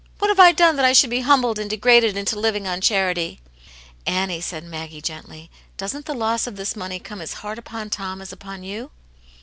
What have I done that I should be humbled and degraded into living on charity ?" "Annie," said Maggie, gently, "doesn't the loss of this money come as hard upon Tom as upon you